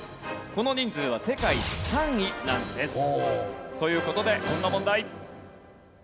この人数は世界３位なんです。という事でこんな問題。